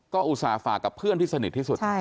ก็อุตส่าห์ฝากกับเพื่อนที่สนิทที่สุด